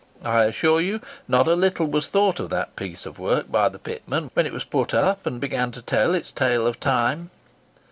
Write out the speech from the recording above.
I assure you, not a little was thought of that piece of work by the pitmen when it was put up, and began to tell its tale of time."